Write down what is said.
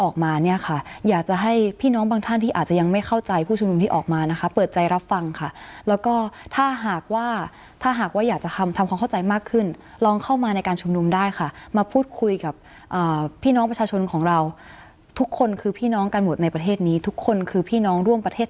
การชมนุมของ